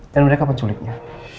dan mereka penculiknya